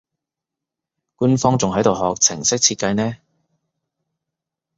官方仲喺度學程式設計呢